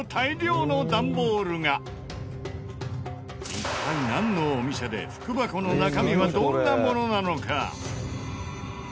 一体なんのお店で福箱の中身はどんなものなのか？